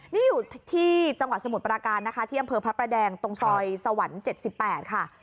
นี่อยู่ที่จังหวัดสมุทรปราการนะคะที่อำเภอพระประแดงตรงซอยสวรรค์๗๘ค่ะ